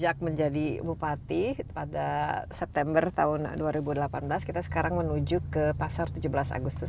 sejak menjadi bupati pada september tahun dua ribu delapan belas kita sekarang menuju ke pasar tujuh belas agustus